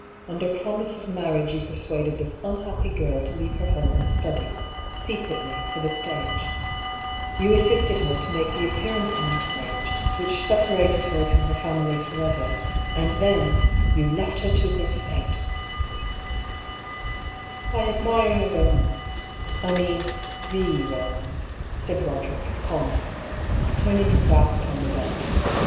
Under promise of marriage you per suaded this unhappy girl to leave her home and study, secretly, for the stage ; you assisted her to make the appearance on the stage which separated her from her family forever — ^and then — ^you left her to her fate I " "I adlnire your romance— I mean, the romance," said Roderick, calmly, turning his back upon the bed.